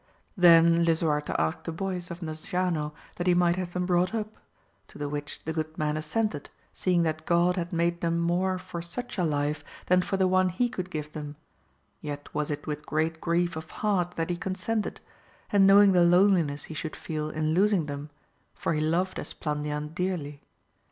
AMADIS OF GAUL 263 Then Lisuarte asked the boys of Nasciano that he might have them brought up, to the which the good man assented, seeing that God had made them more for such a life than for the one he could give them, yet was it with great grief of heart that he consented, and knowing the loneliness he should feel in losing them, for he loved Esplandian dearly.